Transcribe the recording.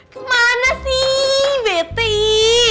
kemana sih beti